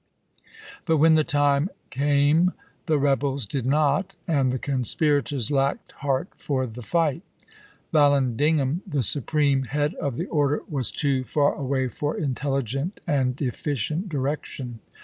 But when the time came the rebels did not, and the conspirators lacked heart for the fight. Vallandigham, the supreme head of the order, was too far away for intelligent and efficient direction.